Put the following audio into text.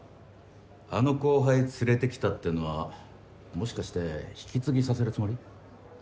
あの後輩連れて来たってのはもしかして引き継ぎさせるつもり？